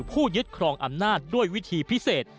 ยึดครองอำนาจด้วยวิธีพิเศษ